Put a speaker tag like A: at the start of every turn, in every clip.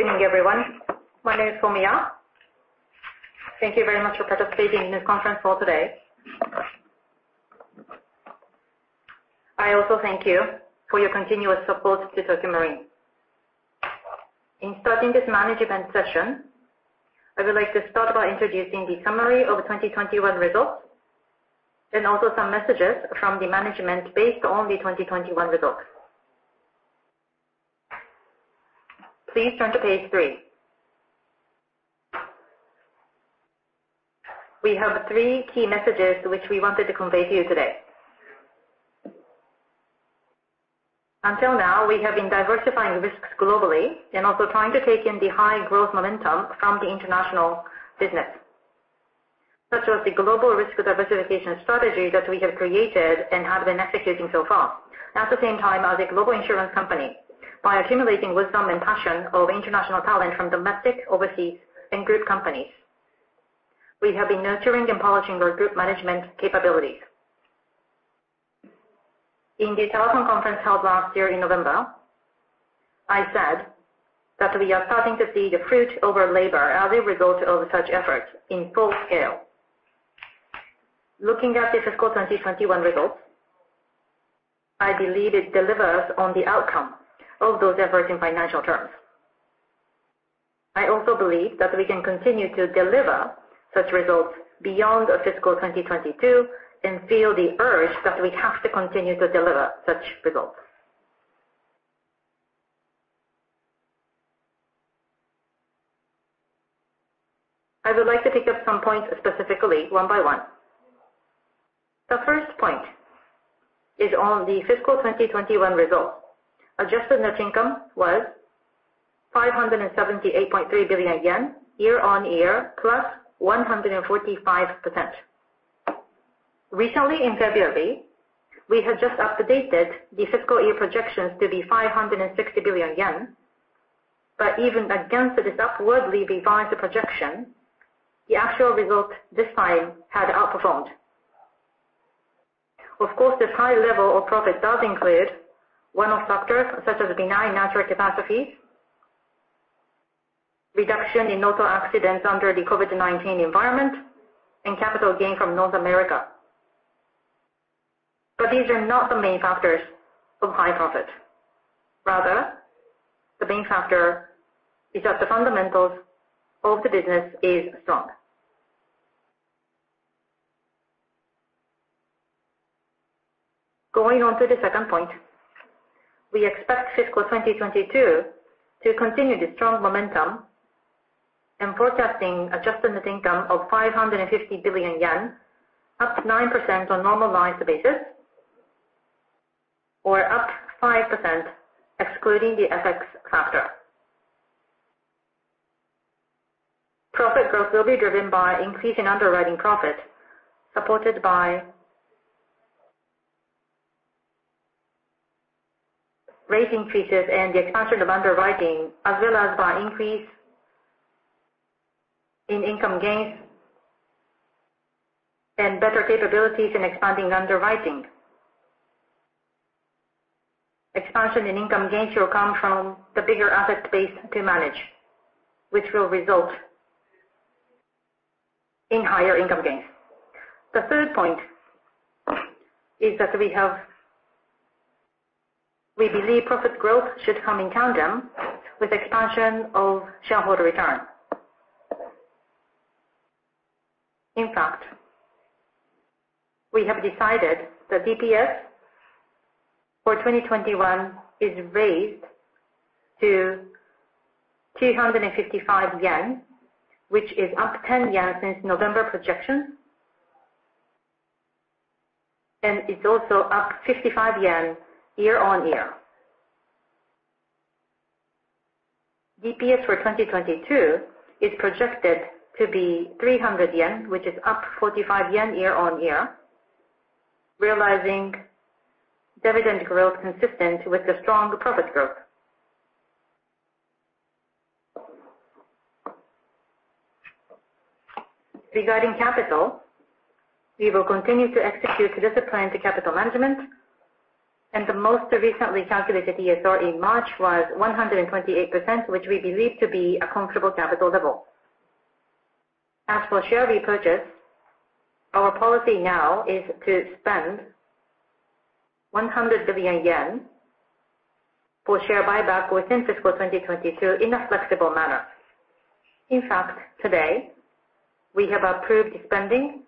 A: Good evening everyone. My name is Satoru Komiya. Thank you very much for participating in this conference call today. I also thank you for your continuous support to Tokio Marine. In starting this management session, I would like to start by introducing the summary of 2021 results, and also some messages from the management based on the 2021 results. Please turn to page three. We have three key messages which we wanted to convey to you today. Until now, we have been diversifying risks globally and also trying to take in the high growth momentum from the international business. Such was the global risk diversification strategy that we have created and have been executing so far. At the same time as a global insurance company, by accumulating wisdom and passion of international talent from domestic, overseas, and group companies, we have been nurturing and polishing our group management capabilities. In the telephone conference held last year in November, I said that we are starting to see the fruit of our labor as a result of such effort in full scale. Looking at the fiscal 2021 results, I believe it delivers on the outcome of those efforts in financial terms. I also believe that we can continue to deliver such results beyond fiscal 2022, and feel the urge that we have to continue to deliver such results. I would like to pick up some points specifically one by one. The first point is on the fiscal 2021 results. Adjusted Net Income was JPY 578.3 billion, year-on-year +145%. Recently in February, we had just updated the fiscal year projections to be 560 billion yen. Even against this upwardly revised projection, the actual results this time had outperformed. Of course, this high level of profit does include one-off factors such as benign natural catastrophes, reduction in auto accidents under the COVID-19 environment, and capital gain from North America. These are not the main factors of high profit. Rather, the main factor is that the fundamentals of the business is strong. Going on to the second point, we expect fiscal 2022 to continue the strong momentum and forecasting adjusted net income of 550 billion yen, up 9% on normalized basis or up 5% excluding the FX factor. Profit growth will be driven by increasing underwriting profit, supported by rate increases and the expansion of underwriting, as well as by increase in income gains and better capabilities in expanding underwriting. Expansion in income gains will come from the bigger asset base to manage, which will result in higher income gains. The third point is that we believe profit growth should come in tandem with expansion of shareholder return. In fact, we have decided that DPS for 2021 is raised to 255 yen, which is up 10 yen since November projection. It's also up JPY 55 year-over-year. DPS for 2022 is projected to be 300 yen, which is up 45 yen year-over-year, realizing dividend growth consistent with the strong profit growth. Regarding capital, we will continue to execute disciplined capital management, and the most recently calculated ESR in March was 128%, which we believe to be a comfortable capital level. As for share repurchase, our policy now is to spend 100 billion yen for share buyback within fiscal 2022 in a flexible manner. In fact, today, we have approved spending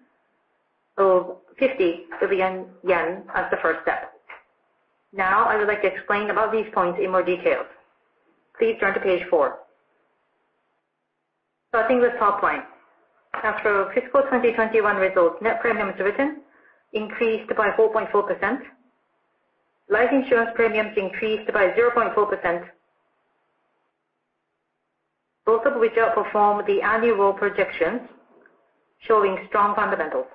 A: of 50 billion yen as the first step. Now, I would like to explain about these points in more details. Please turn to page four. Starting with top line. After fiscal 2021 results, net premiums written increased by 4.4%. Life insurance premiums increased by 0.4%. Both of which outperformed the annual projections, showing strong fundamentals.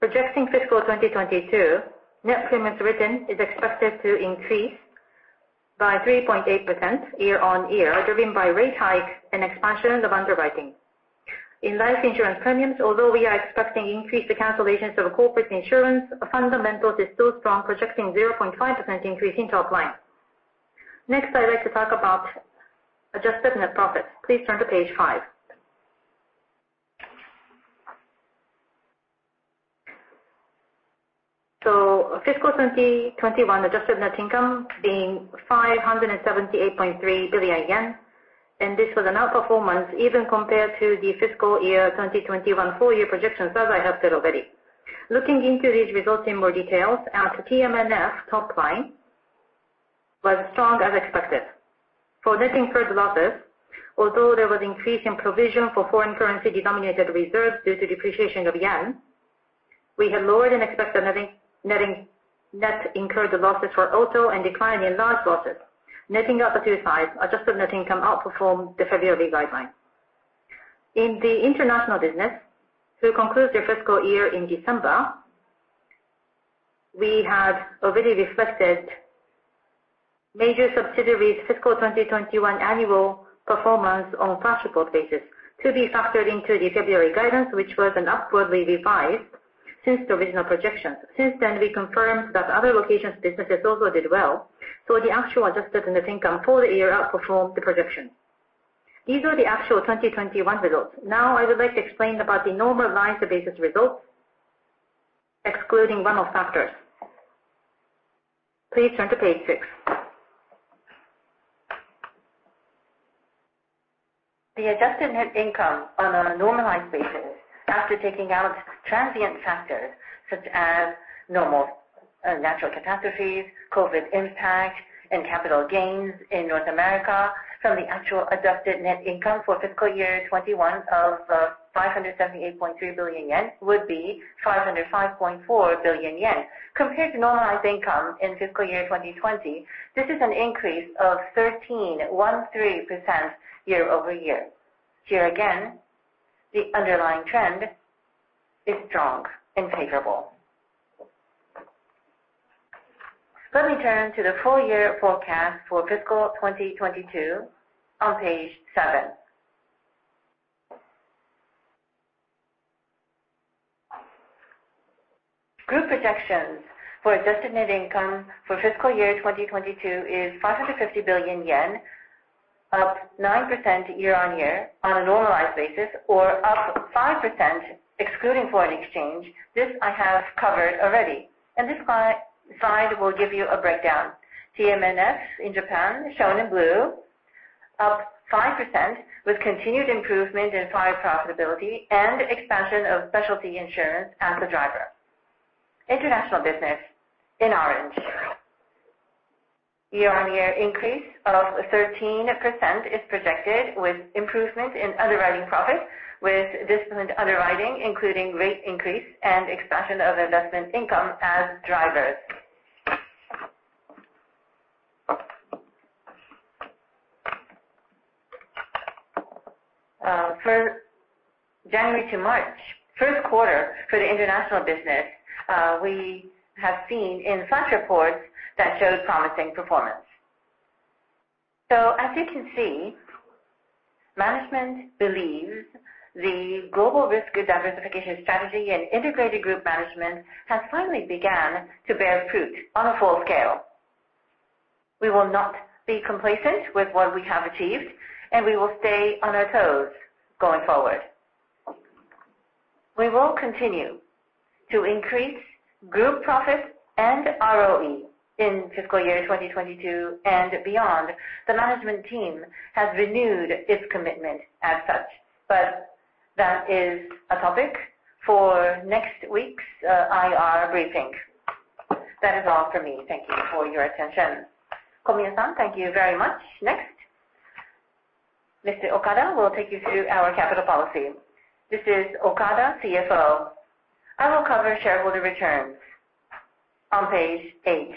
A: Projecting fiscal 2022, net premiums written is expected to increase by 3.8% year-on-year, driven by rate hike and expansion of underwriting. In life insurance premiums, although we are expecting an increase in the cancellations of corporate insurance, our fundamentals is still strong, projecting 0.5% increase in top line. Next, I'd like to talk about adjusted net profits. Please turn to page five. Fiscal 2021 adjusted net income being 578.3 billion yen. This was an outperformance even compared to the fiscal year 2021 full year projections, as I have said already. Looking into these results in more detail, our TMNS top line was strong as expected. For net incurred losses, although there was an increase in provision for foreign currency denominated reserves due to depreciation of yen, we had lower than expected net incurred losses for auto and decline in large losses. Netting out the two sides, adjusted net income outperformed the February guideline. In the international business, who concludes their fiscal year in December, we had already reflected major subsidiaries fiscal 2021 annual performance on flash report basis to be factored into the February guidance, which was an upwardly revised since the original projections. Since then, we confirmed that other locations businesses also did well. The actual adjusted net income for the year outperformed the projection. These are the actual 2021 results. Now I would like to explain about the normalized basis results excluding one-off factors. Please turn to page six. The adjusted net income on a normalized basis after taking out transient factors such as normal, natural catastrophes, COVID impact, and capital gains in North America from the actual adjusted net income for fiscal year 2021 of 578.3 billion yen would be 505.4 billion yen. Compared to normalized income in fiscal year 2020, this is an increase of 13.13% year-over-year. Here again, the underlying trend is strong and favorable. Let me turn to the full year forecast for fiscal 2022 on page seven. Group projections for adjusted net income for fiscal year 2022 is 550 billion yen, up 9% year-on-year on a normalized basis or up 5% excluding foreign exchange. This I have covered already. This slide will give you a breakdown. TMNS in Japan, shown in blue, up 5% with continued improvement in fire profitability and expansion of specialty insurance as a driver. International business in orange. Year-on-year increase of 13% is projected with improvement in underwriting profits, with disciplined underwriting, including rate increase and expansion of investment income as drivers. For January to March, first quarter for the international business, we have seen in flash reports that showed promising performance. As you can see, management believes the global risk diversification strategy and integrated group management has finally began to bear fruit on a full scale. We will not be complacent with what we have achieved, and we will stay on our toes going forward. We will continue to increase group profits and ROE in fiscal year 2022 and beyond. The management team has renewed its commitment as such. That is a topic for next week's IR briefing. That is all for me. Thank you for your attention.
B: Komiya, thank you very much. Next, Mr. Kenji Okada will take you through our capital policy.
C: This is Kenji Okada, CFO. I will cover shareholder returns on page eight.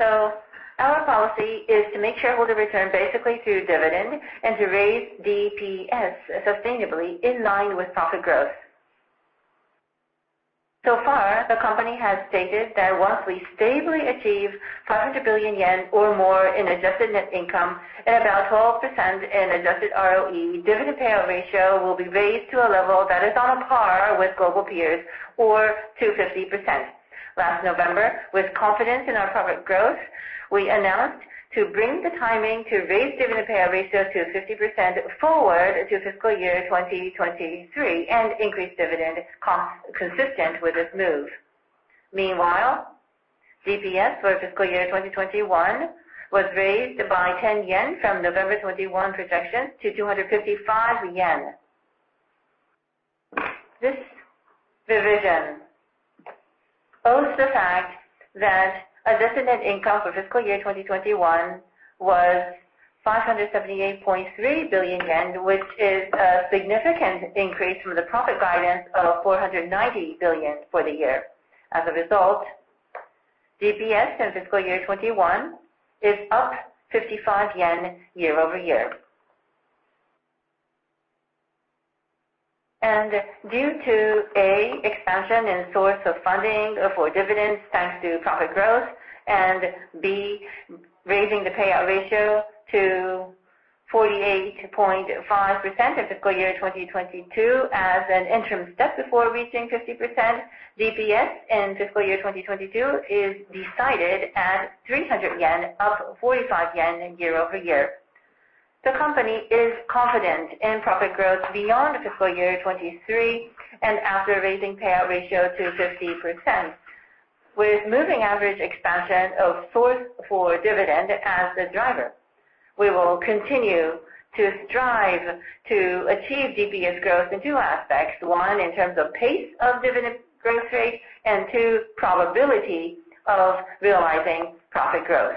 C: Our policy is to make shareholder return basically through dividend and to raise DPS sustainably in line with profit growth. So far, the company has stated that once we stably achieve 500 billion yen or more in adjusted net income and about 12% in adjusted ROE, dividend payout ratio will be raised to a level that is on par with global peers or to 50%. Last November, with confidence in our profit growth, we announced to bring the timing to raise dividend payout ratio to 50% forward to fiscal year 2023 and increase dividend cost consistent with this move. Meanwhile, DPS for fiscal year 2021 was raised by 10 yen from November 2021 projections to 255 yen. This revision is due to the fact that Adjusted Net Income for fiscal year 2021 was 578.3 billion yen, which is a significant increase from the profit guidance of 490 billion for the year. As a result, DPS in fiscal year 2021 is up JPY 55 year-over-year. Due to A, expansion of sources of funding for dividends thanks to profit growth, and B, raising the payout ratio to 48.5% in fiscal year 2022 as an interim step before reaching 50%, DPS in fiscal year 2022 is decided at 300 yen, up 45 yen year-over-year. The company is confident in profit growth beyond fiscal year 2023 and after raising payout ratio to 50%. With moving average expansion of source for dividend as the driver, we will continue to strive to achieve DPS growth in two aspects. One, in terms of pace of dividend growth rate, and two, probability of realizing profit growth.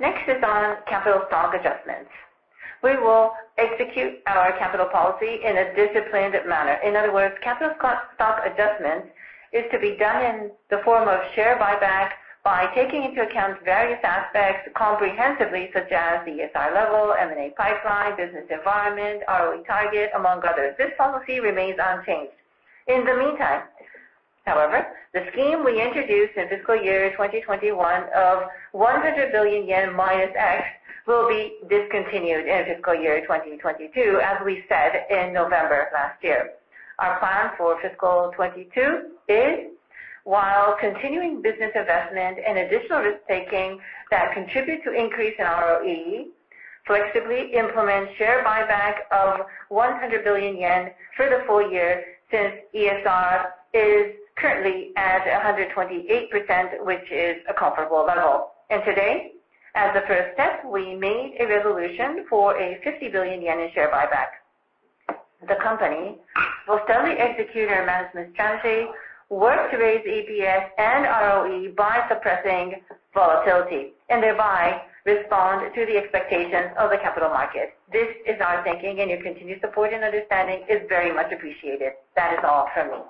C: Next is on capital stock adjustments. We will execute our capital policy in a disciplined manner. In other words, capital stock adjustment is to be done in the form of share buyback by taking into account various aspects comprehensively, such as the ESR level, M&A pipeline, business environment, ROE target, among others. This policy remains unchanged. In the meantime, however, the scheme we introduced in fiscal year 2021 of -100 billion yen X will be discontinued in fiscal year 2022, as we said in November of last year. Our plan for fiscal 2022 is, while continuing business investment and additional risk-taking that contribute to increase in ROE, flexibly implement share buyback of 100 billion yen for the full year since ESR is currently at 128%, which is a comparable level. Today, as a first step, we made a resolution for a 50 billion yen in share buyback. The company will steadily execute our management strategy, work to raise EPS and ROE by suppressing volatility, and thereby respond to the expectations of the capital market. This is our thinking, and your continued support and understanding is very much appreciated. That is all for me.